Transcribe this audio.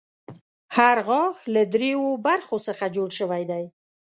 هر غاښ له دریو برخو څخه جوړ شوی دی.